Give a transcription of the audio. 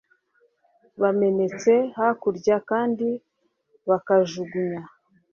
bamenetse hakurya, kandi bakajugunya